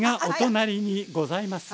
お隣にございます。